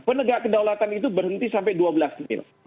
penegak kedaulatan itu berhenti sampai dua belas mil